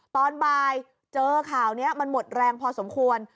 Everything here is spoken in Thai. ตอนบ่ายเจอข่าวนี้มันหมดแรงพอสมควร